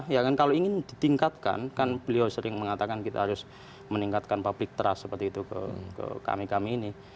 ya kan kalau ingin ditingkatkan kan beliau sering mengatakan kita harus meningkatkan public trust seperti itu ke kami kami ini